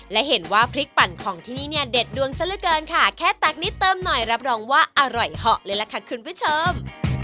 และเห็นว่าพริกปั่นของที่นี่เนี่ยเด็ดดวงซะเหลือเกินค่ะแค่ตักนิดเติมหน่อยรับรองว่าอร่อยเหาะเลยล่ะค่ะคุณผู้ชม